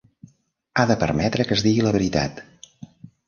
Ha de permetre que es digui la veritat.